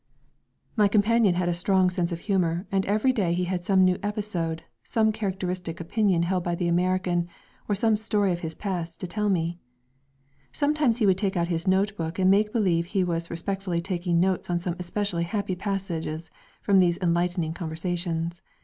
My companion had a strong sense of humour, and every day he had some new episode, some characteristic opinion held by the American or some story of his past to tell me. Sometimes he would take out his note book and make believe he was respectfully taking notes on some especially happy passages from these enlightening conversations.